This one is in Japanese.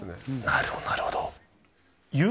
なるほど、なるほど。